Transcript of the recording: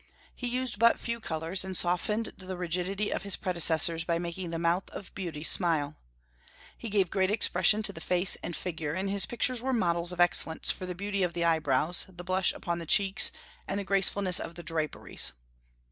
He used but few colors, and softened the rigidity of his predecessors by making the mouth of beauty smile. He gave great expression to the face and figure, and his pictures were models of excellence for the beauty of the eyebrows, the blush upon the cheeks, and the gracefulness of the draperies.